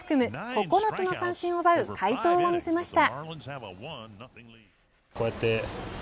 ９つの三振を奪う快投を見せました。